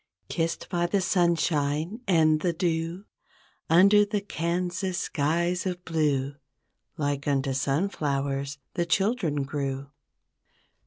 Kissed by the sunshine and the dew Under the Kansas skies of blue Like unto sunflowers, the children grew.